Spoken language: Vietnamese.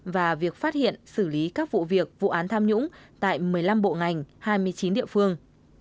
và việc phát hiện xử lý các vụ việc vụ án tham nhũng tại một mươi năm bộ ngành hai mươi chín địa phương